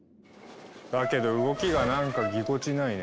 だけど動きがなんかぎこちないね。